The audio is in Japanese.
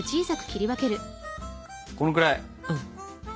このくらい？